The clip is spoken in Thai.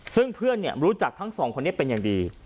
ซึ่งเพื่อนรู้จักทั้งสองคนนี้เป็นอย่างดี